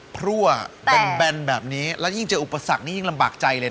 พรั่วแบนแบบนี้แล้วยิ่งเจออุปสรรคนี้ยิ่งลำบากใจเลย